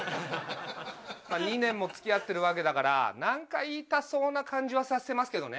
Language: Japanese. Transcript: ２年も付き合ってるわけだから何か言いたそうな感じは察っせますけどね。